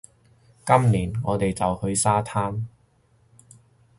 今年，我哋就去沙灘